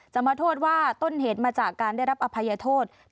จำมธวตว่าต้นเหตุมาจากการได้รับอภัยทศูนย์